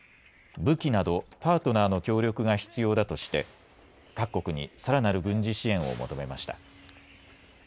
武器などパートナーの協力が必要だとして各国にさらなる軍事支援を求めました。